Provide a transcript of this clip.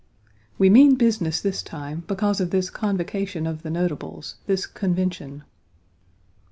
We mean business this time, because of this convocation of the notables, this convention.